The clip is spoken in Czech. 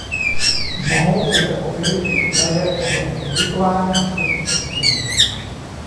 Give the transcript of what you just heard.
Mohou se zde objevit i údaje ohledně publikování výsledků šetření.